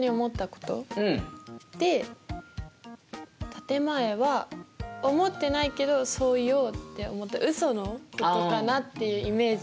「建て前」は思ってないけどそう言おうって思ったウソのことかなっていうイメージを持っています。